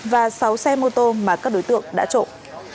và sáu xe mô tô mà các đối tượng đã trộm